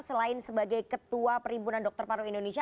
selain sebagai ketua perimpunan dokter paru indonesia